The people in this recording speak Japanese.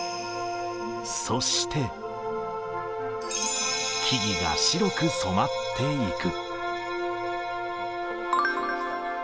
そして、木々が白く染まっていく。